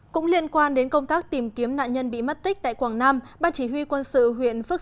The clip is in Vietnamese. cũng liên quan đến công tác tìm kiếm nạn nhân bị mất tích tại quảng nam ban chỉ huy quân sự huyện phước